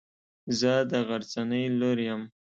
زه د غرڅنۍ لور يم.